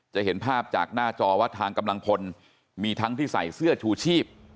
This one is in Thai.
จะเห็นภาพจากหน้าจอว่าทางกำลังพลมีทั้งที่ใส่เสื้อชูชีพ